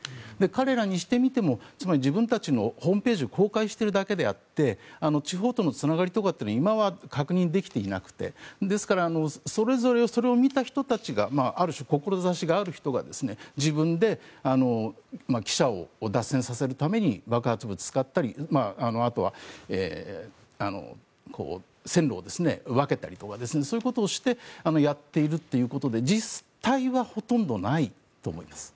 彼らにしてみてもつまり自分たちのホームページを公開しているだけであって地方とのつながりとかはいまだ確認できていなくてですから、それぞれそれを見た人たちがある種、志がある人が自分で汽車を脱線させるために爆発物を使ったりあとは線路を分けたりとかそういうことをしてやっているということで実態はほとんどないと思います。